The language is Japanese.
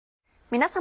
皆様。